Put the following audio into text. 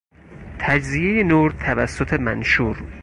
تجزیهی نور توسط منشور